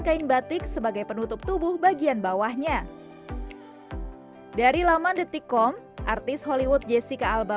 kain batik sebagai penutup tubuh bagian bawahnya dari laman detikkom artis hollywood jessica alba